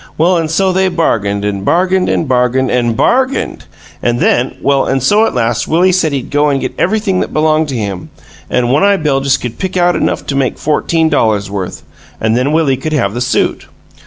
Well, an' so they bargained, an' bargained, an' bargained, an' BARGAINED! An' then, well, an' so at last Willie said he'd go an' get everything that b'longed to him, an' One eye Beljus could pick out enough to make fourteen dollars' worth, an' then Willie could have the suit.